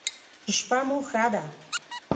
شپه مو ښه ده